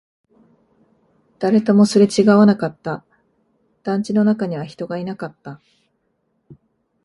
誰ともすれ違わなかった、団地の中には人がいなかった